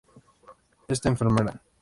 Este enferma.